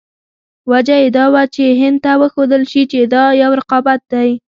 وجه یې دا وه چې هند ته وښودل شي چې دا یو رقابت دی.